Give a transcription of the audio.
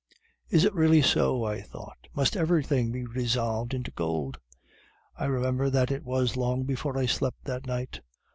"'Is it really so?' I thought; 'must everything be resolved into gold?' "I remember that it was long before I slept that night.